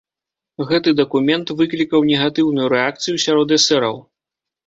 Гэты дакумент выклікаў негатыўную рэакцыю сярод эсэраў.